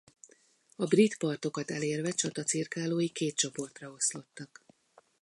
A brit partokat elérve csatacirkálói két csoportra oszlottak.